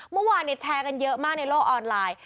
เมื่อวานแชร์กันเยอะมากในโลกออนไลน์